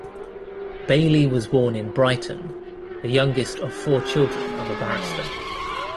Bayly was born in Brighton, the youngest of four children of a barrister.